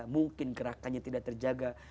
mungkin gerakannya tidak terjaga